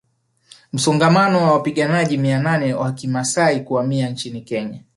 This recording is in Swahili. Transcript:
Msongamano wa wapiganaji mia nane wa Kimasai kuhamia nchini Kenya